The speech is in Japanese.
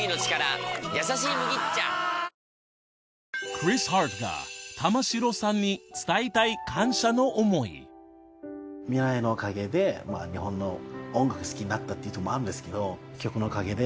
クリス・ハートが玉城さんに伝えたい感謝の思いのおかげで。っていうとこもあるんですけど曲のおかげで。